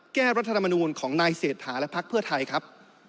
แก้รัฐมนูญของนายเศรษฐาและภักดิ์เพื่อไทยครับ